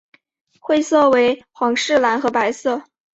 会色为皇室蓝和白色。